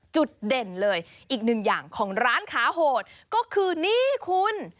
จุดเด่นเลยอีกหนึ่งอย่างของร้านค้าโหดก็คือนี่คุณ